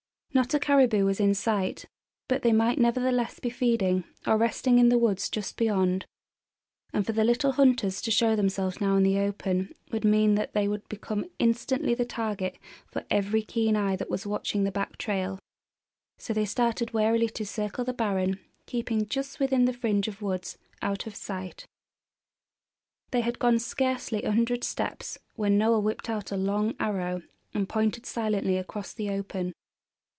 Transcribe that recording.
Not a caribou was in sight; but they might nevertheless be feeding, or resting in the woods just beyond; and for the little hunters to show themselves now in the open would mean that they would become instantly the target for every keen eye that was watching the back trail. So they started warily to circle the barren, keeping just within the fringe of woods out of sight. They had gone scarcely a hundred steps when Noel whipped out a long arrow and pointed silently across the open.